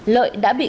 lợi đã bị